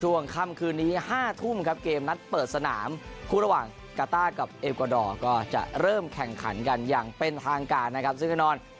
ช่วงค่ำคืนนี้๕ทุ่มครับเกมนัดเปิดสนามคู่ระหว่างกาต้ากับเอกวาดอร์ก็จะเริ่มแข่งขันกันอย่างเป็นทางการนะครับซึ่งแน่นอน